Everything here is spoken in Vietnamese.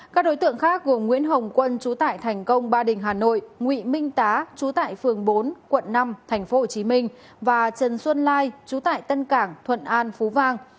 các đối tượng khác gồm nguyễn hồng quân chú tải thành công ba đình hà nội nguyễn minh tá trú tại phường bốn quận năm tp hcm và trần xuân lai chú tại tân cảng thuận an phú vang